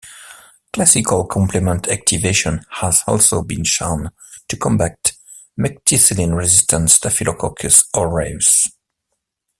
Classical complement activation has also been shown to combat Methicillin-resistant Staphylococcus aureus.